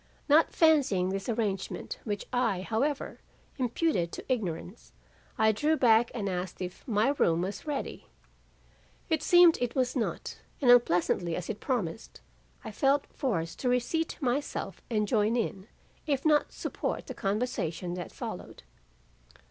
Not fancying this arrangement which I, however, imputed to ignorance, I drew back and asked if my room was ready. It seemed it was not, and unpleasantly as it promised, I felt forced to reseat myself and join in, if not support, the conversation that followed.